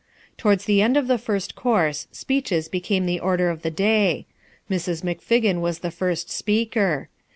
Towards the end of the first course, speeches became the order of the day. Mrs. McFiggin was the first speaker.